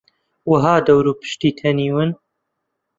وەها دەور و پشتی تەنیون